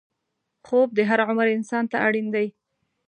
خوب د هر عمر انسان ته اړین دی